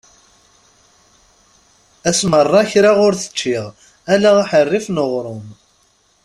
Ass merra kra ur t-ččiɣ ala aḥerrif n uɣrum.